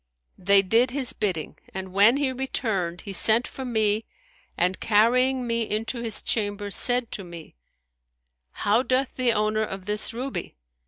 They did his bidding, and when he returned, he sent for me and carrying me into his chamber said to me, How doth the owner of this ruby?'